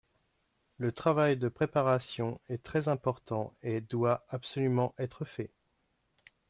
Le travail de préparation est très important et doit absolument être fait